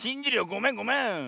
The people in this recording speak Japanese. ごめんごめん。